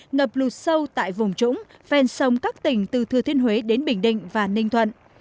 ngập lụt sâu tại vùng trũng ven sông các tỉnh từ thừa thiên huế đến bình định và ninh thuận